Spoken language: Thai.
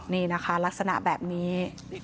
นี่นะคะลักษณะแบบนี้